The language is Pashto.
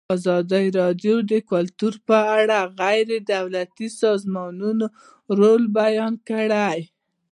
ازادي راډیو د کلتور په اړه د غیر دولتي سازمانونو رول بیان کړی.